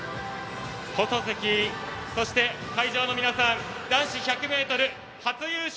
放送席、そして会場の皆さん男子１００ｍ初優勝